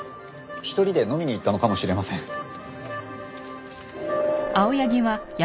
１人で飲みに行ったのかもしれません。